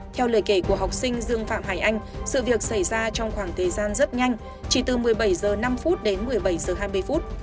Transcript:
theo lời kể của học sinh dương phạm hải anh sự việc xảy ra trong khoảng thời gian rất nhanh chỉ từ một mươi bảy h năm đến một mươi bảy h hai mươi phút